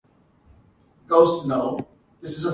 To the south is Pacific County.